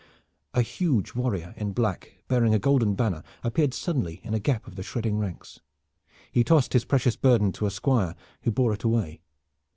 A huge warrior in black, bearing a golden banner, appeared suddenly in a gap of the shredding ranks. He tossed his precious burden to a squire, who bore it away.